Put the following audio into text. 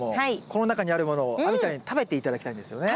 この中にあるものを亜美ちゃんに食べて頂きたいんですよね。